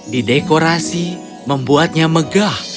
didekorasi membuatnya megah